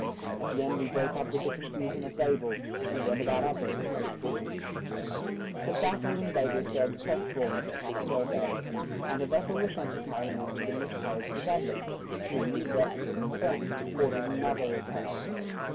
At the end we broke up with the confusion of Babel, and went about our business like fools." The baffled invaders sailed crestfallen to Casco Bay, and a vessel was sent to carry news of the miscarriage to Dudley, who, vexed and incensed, ordered another attempt.